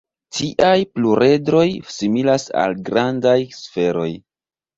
Tiaj pluredroj similas al grandaj sferoj.